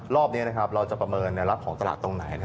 รอบนี้เราจะประเมินแนวรับของตลาดตรงไหน